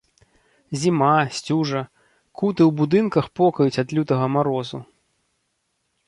Зіма, сцюжа, куты ў будынках покаюць ад лютага марозу.